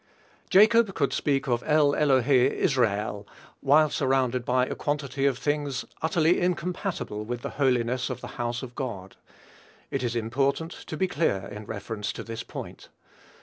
Jacob could speak of "El elohe Israel," while surrounded by a quantity of things utterly incompatible with the holiness of the house of God. It is important to be clear in reference to this point.